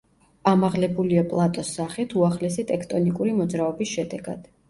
ამაღლებულია პლატოს სახით უახლესი ტექტონიკური მოძრაობის შედეგად.